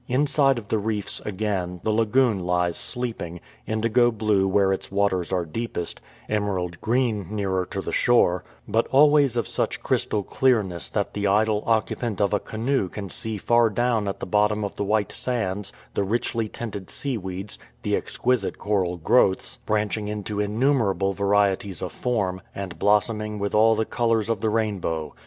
Inside of the reefs, again, the lagoon lies sleeping, indigo blue where its waters are deepest, emerald green nearer to the shore; but always of such crystal clearness that the idle occupant of a canoe can see far down at the bottom the white sands, 310 THE FIJI ISLANDS the richly tinted seaweeds, the exquisite coral growths — branching into innumerable varieties of form, and blos soming with all the colours of the rainbow.